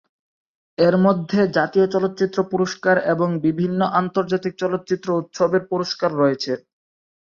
এর মধ্যে জাতীয় চলচ্চিত্র পুরস্কার এবং বিভিন্ন আন্তর্জাতিক চলচ্চিত্র উৎসবের পুরস্কার রয়েছে।